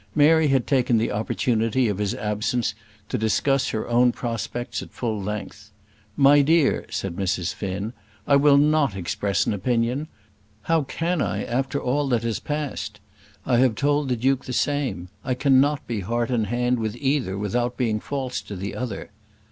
Mary had taken the opportunity of his absence to discuss her own prospects at full length. "My dear," said Mrs. Finn, "I will not express an opinion. How can I after all that has passed? I have told the Duke the same. I cannot be heart and hand with either without being false to the other."